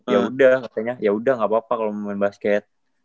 ya udah katanya ya udah gak apa apa kalo mau main basket